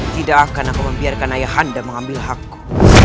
tidak akan aku membiarkan ayah anda mengambil hakku